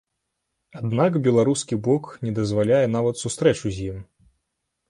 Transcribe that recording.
Аднак беларускі бок не дазваляе нават сустрэчу з ім.